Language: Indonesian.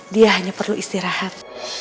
dia hanya perlu istirahat